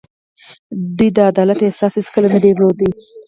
دوی د عدالت احساس هېڅکله نه دی درلودلی.